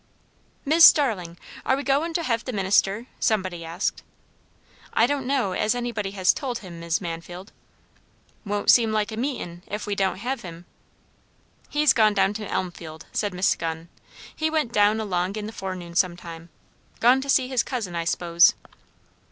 "Mis' Starling, are we goin' to hev' the minister?" somebody asked. "I don't know as anybody has told him, Mis' Mansfield." "Won't seem like a meetin', ef we don't hev' him." "He's gone down to Elmfield," said Miss Gunn. "He went down along in the forenoon some time. Gone to see his cousin, I s'pose."